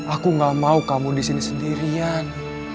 aku gak mau kamu di sini sendirian